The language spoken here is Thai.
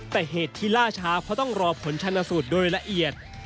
แต่เหตุที่ล่าช้าเพราะต้องรอผลชนสูตรโดยละเอียด